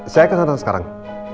saya kesana sekarang